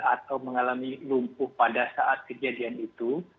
atau mengalami lumpuh pada saat kejadian itu